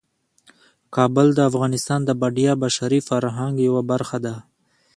کابل د افغانستان د بډایه بشري فرهنګ یوه برخه ده.